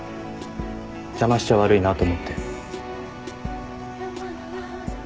邪魔しちゃ悪いなと思って。